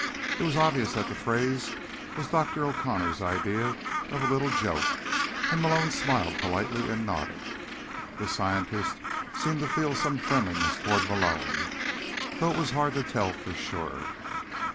It was obvious that the phrase was Dr. O'Connor's idea of a little joke, and Malone smiled politely and nodded. The scientist seemed to feel some friendliness toward Malone, though it was hard to tell for sure.